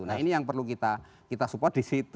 nah ini yang perlu kita support di situ